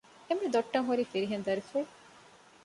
އެންމެ ދޮއްޓަށް ހުރީ ފިރިހެން ދަރިފުޅު